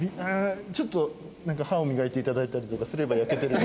ちょっと歯を磨いて頂いたりとかすれば焼けてる。